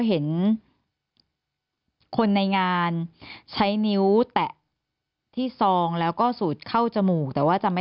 เห็นคนในงานใช้นิ้วแตะที่ซองแล้วก็สูดเข้าจมูกแต่ว่าจะไม่